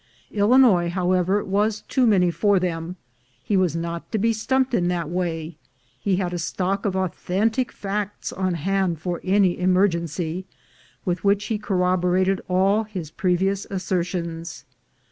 Illinois, however, was too many for them; he was not to be stumped in that way; he had a stock of authen tic facts on hand for any emergency, with which he corroborated all his previous assertions.